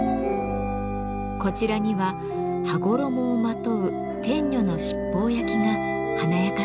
こちらには羽衣をまとう天女の七宝焼きが華やかさを添えます。